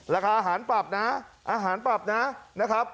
ราคาอาหารปรับนะอาหารปรับนะนะครับ